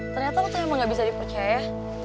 ternyata lu tuh emang gak bisa dipercaya